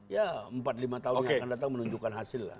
ya empat lima tahun yang akan datang menunjukkan hasil lah